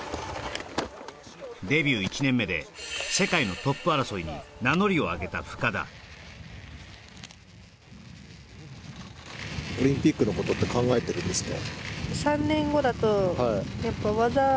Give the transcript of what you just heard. デビュー１年目で世界のトップ争いに名乗りを上げた深田オリンピックのことって考えてるんですね？